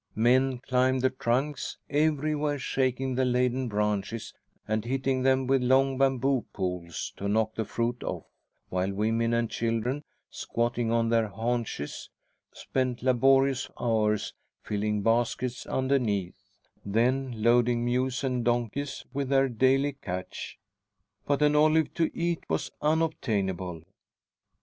Men climbed the trunks, everywhere shaking the laden branches and hitting them with long bamboo poles to knock the fruit off, while women and children, squatting on their haunches, spent laborious hours filling baskets underneath, then loading mules and donkeys with their daily "catch." But an olive to eat was unobtainable.